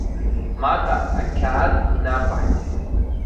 Мата, ақьаад инақәаҳҵеит.